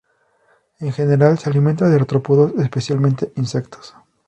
En general se alimenta de artrópodos, especialmente insectos.